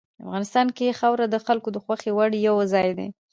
افغانستان کې خاوره د خلکو د خوښې وړ یو ځای دی.